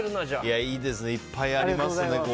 いいですね、いっぱいありますね。